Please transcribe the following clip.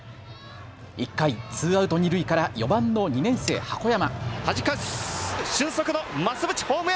１回、ツーアウト二塁から４番の２年生、箱山。